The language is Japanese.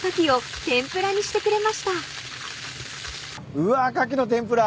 うわカキの天ぷら。